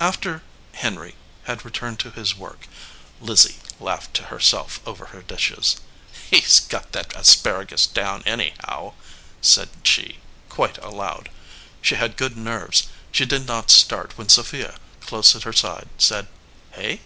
After Henry had returned to his work, Lizzie laughed to herself over her dishes. "He got that asparagus down, anyhow," said she, quite aloud. She had good nerves. She did not start when Sophia, close at her side, said, "Hey?"